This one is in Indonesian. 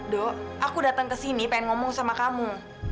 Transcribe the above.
do aku datang ke sini pengen ngomong sama kamu